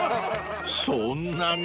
［そんなに？］